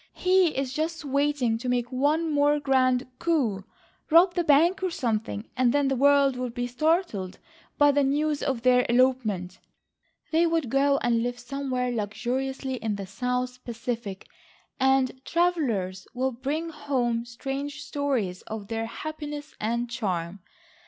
He is just waiting to make one more grand coup, rob the bank or something and then the world will be startled by the news of their elopement. They will go and live somewhere luxuriously in the south Pacific, and travellers will bring home strange stories of their happiness and charm.